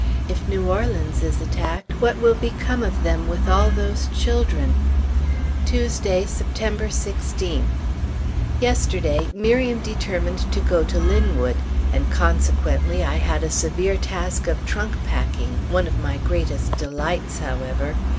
If New Orleans is attacked, what will become of them with all those children? Tuesday, September 16th. Yesterday Miriam determined to go to Linwood, and consequently I had a severe task of trunk packing, one of my greatest delights, however.